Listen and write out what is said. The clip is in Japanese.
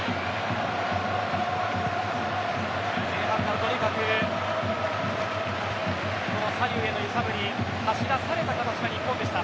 とにかく左右への揺さぶり走らされた日本でした。